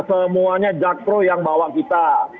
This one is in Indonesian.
semuanya jakpro yang bawa kita